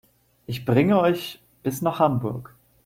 Ich bringe euch bis nach Hamburg